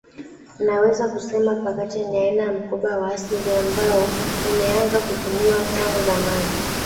Naweza kusema pakacha ni aina ya mkoba wa asili ambao umeanza kutumiwa tangu zamani